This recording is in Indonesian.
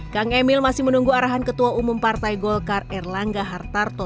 kang emil masih menunggu arahan ketua umum partai golkar erlangga hartarto